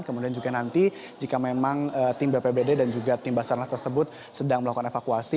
kemudian juga nanti jika memang tim bpbd dan juga tim basarnas tersebut sedang melakukan evakuasi